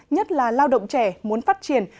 nhất là lao động trẻ muốn phát triển